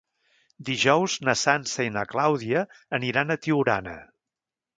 Dijous na Sança i na Clàudia aniran a Tiurana.